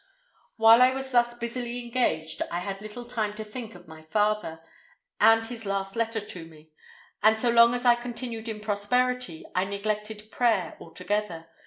"While I was thus busily engaged, I had little time to think of my father, and his last letter to me; and so long as I continued in prosperity, I neglected prayer altogether.